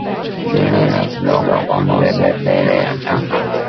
Jeunesse block on Wednesdays and Sundays.